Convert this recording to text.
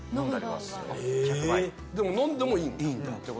でも飲んでもいいんだ。